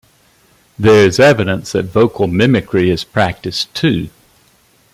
There is evidence that vocal mimicry is practised too.